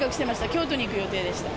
京都に行く予定でした。